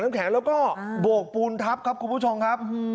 แล้วก็บวกปุ่นทับครับคุณผู้ชมครับ